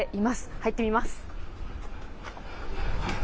入ってみます。